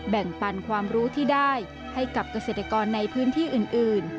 แบ่งปันความรู้ที่ได้ให้กับเกษตรกรในพื้นที่อื่น